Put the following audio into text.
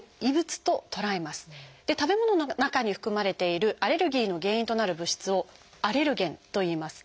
食べ物の中に含まれているアレルギーの原因となる物質を「アレルゲン」といいます。